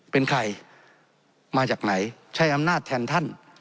เป็นใครมาจากไหนใช้อำนาจแทนท่าน